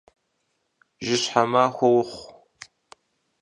Jışhe maxue vuxhu!